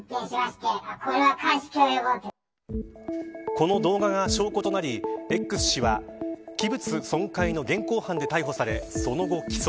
この動画が証拠となりＸ氏は、器物損壊の現行犯で逮捕され、その後起訴。